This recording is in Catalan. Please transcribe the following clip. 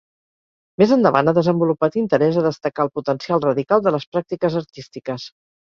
Més endavant ha desenvolupat interès a destacar el potencial radical de les pràctiques artístiques.